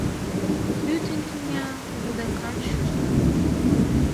Пӱтынь тӱня Вудакан шӱла.